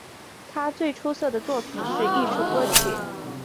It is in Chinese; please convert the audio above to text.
他最出色的作品是艺术歌曲。